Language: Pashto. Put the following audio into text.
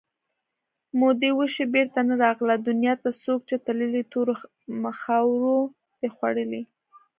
مودې وشوې بېرته نه راغله دنیا ته څوک چې تللي تورو مخاورو دي خوړلي